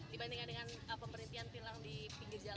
dibandingkan dengan pemerintian tilang di pinggir jalan